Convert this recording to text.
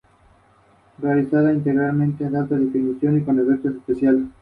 Los estatutos no permiten la doble militancia.